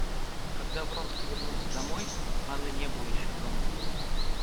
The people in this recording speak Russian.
Когда Вронский вернулся домой, Анны не было еще дома.